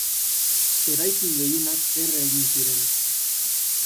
Eraikin gehienak erre egin ziren.